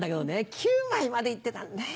９枚まで行ってたねぇ。